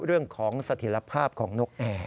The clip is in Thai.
เรื่องของสถีทภาพของนกแอ